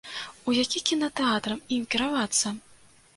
У які кінатэатр ім кіравацца?